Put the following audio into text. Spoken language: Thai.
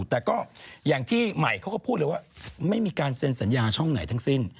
แต่ก็อย่างที่ใหม่เขาก็พูดเลยว่าไม่มีการเซ็นสัญญาช่องไหนทั้งสิ้น